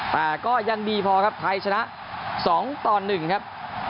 แต่ก็ยังดีพอครับไทยชนะ๒ต่อ๑ครับ